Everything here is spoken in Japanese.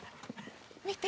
見て！